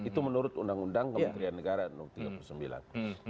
itu menurut undang undang kementerian negara tahun seribu sembilan ratus tiga puluh sembilan